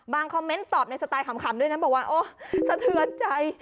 คอมเมนต์ตอบในสไตล์ขำด้วยนะบอกว่าโอ้สะเทือนใจ